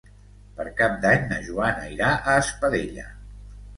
Per Cap d'Any na Joana irà a Espadella.